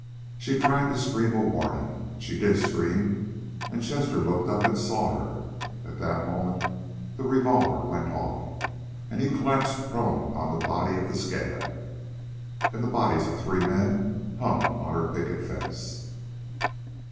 She tried to scream a warning. She did scream, and Chester looked up and saw her. At that moment the revolver went off, and he collapsed prone upon the body of the scab. And the bodies of three men hung on her picket fence.